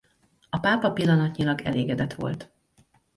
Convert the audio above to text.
A pápa pillanatnyilag elégedett volt.